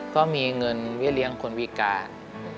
ก็มีเงินเบี้เลี้ยงคนพิการ